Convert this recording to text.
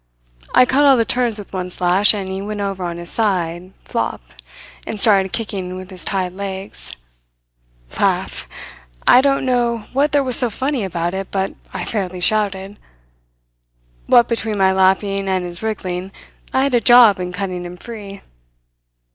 I cut all the turns with one slash, and he went over on his side, flop, and started kicking with his tied legs. Laugh! I don't know what there was so funny about it, but I fairly shouted. What between my laughing and his wriggling, I had a job in cutting him free.